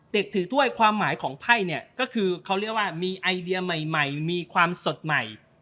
ถือถ้วยความหมายของไพ่เนี่ยก็คือเขาเรียกว่ามีไอเดียใหม่มีความสดใหม่